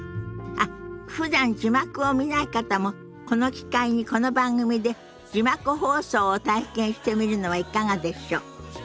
あっふだん字幕を見ない方もこの機会にこの番組で字幕放送を体験してみるのはいかがでしょ。